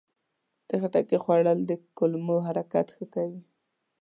د خټکي خوړل د کولمو حرکت ښه کوي.